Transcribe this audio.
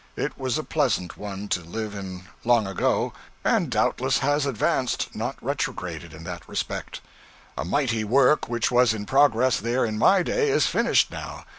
It was a pleasant one to live in long ago, and doubtless has advanced, not retrograded, in that respect. A mighty work which was in progress there in my day is finished now.